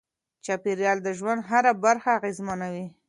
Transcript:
چاپیریال د ژوند هره برخه اغېزمنوي.